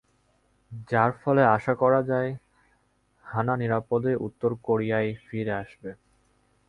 যার ফলে আশা করা যায়, হা-না নিরাপদেই উত্তর কোরিয়ায় ফিরে আসবে।